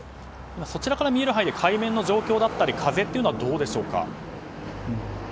そちらから見える範囲で海面の状況や風はどうでしょうか。